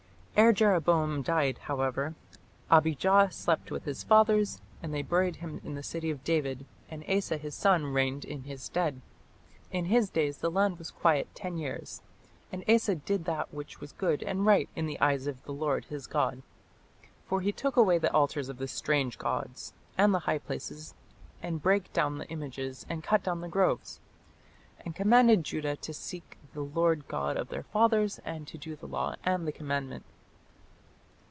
" Ere Jeroboam died, however, "Abijah slept with his fathers, and they buried him in the city of David: and Asa his son reigned in his stead. In his days the land was quiet ten years. And Asa did that which was good and right in the eyes of the Lord his God. For he took away the altars of the strange gods, and the high places, and brake down the images, and cut down the groves. And commanded Judah to seek the Lord God of their fathers and to do the law and the commandment.